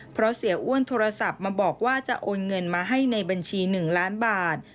เพราะเสียอ้วนโทรศัพท์มาบอกว่าจะโอนเงินมาให้ในบัญชี๑ล้านบาท